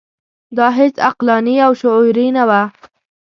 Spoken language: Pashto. دا هیڅ عقلاني او شعوري نه وه.